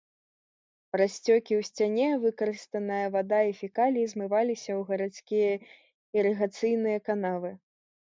Праз сцёкі ў сцяне выкарыстаная вада і фекаліі змываліся ў гарадскія ірыгацыйныя канавы.